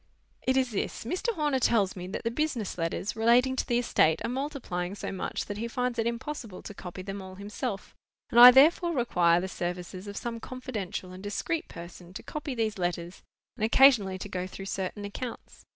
"It is this. Mr. Horner tells me that the business letters, relating to the estate, are multiplying so much that he finds it impossible to copy them all himself, and I therefore require the services of some confidential and discreet person to copy these letters, and occasionally to go through certain accounts.